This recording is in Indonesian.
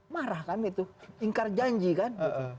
marah kan itu ingkar janji kan